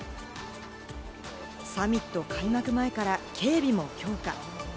サミット開幕前から警備も強化。